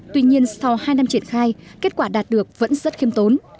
tuy nhiên sau hai năm triển khai kết quả đạt được vẫn rất khiêm tốn